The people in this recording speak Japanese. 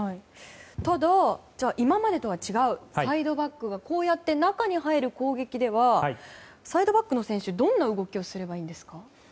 ただ、今までとは違うサイドバックがこうやって中に入る攻撃ではサイドバックの選手どんな動きをすればいいんですか？